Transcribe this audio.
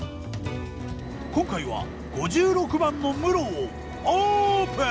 今回は５６番の室をオープン！